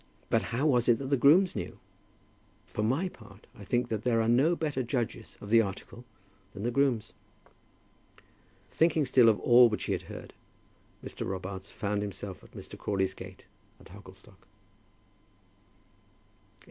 But how was it that the grooms knew it? For my part I think that there are no better judges of the article than the grooms. Thinking still of all which he had heard, Mr. Robarts found himself at Mr. Crawley's gate at Hogglestock. CHAPTER XXI.